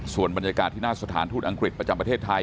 ส่วนบรรยากาศที่หน้าสถานทูตอังกฤษประจำประเทศไทย